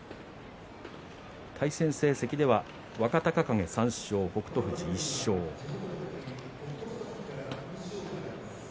対戦成績では若隆景３勝北勝富士１勝です。